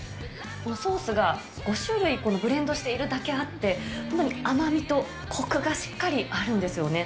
おソースが５種類ブレンドしているだけあって、甘みとこくがしっかりあるんですよね。